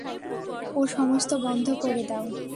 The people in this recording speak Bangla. ও-সমস্ত বন্ধ করে দাও।